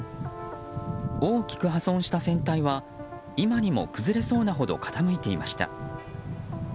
大きく破損した船体は今にも崩れそうなほど傾いていました。